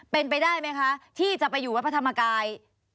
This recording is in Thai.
เป็นไปได้ไหมคะที่จะไปอยู่วัดพระธรรมกาย